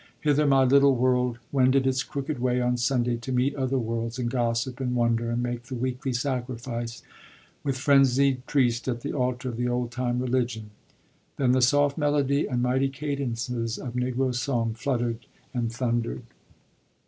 Hither my little world wended its crooked way on Sunday to meet other worlds, and gossip, and wonder, and make the weekly sacrifice with frenzied priest at the altar of the "old time religion." Then the soft melody and mighty cadences of Negro song fluttered and thundered.